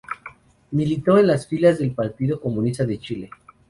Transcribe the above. Militó en las filas del Partido Comunista de Chile.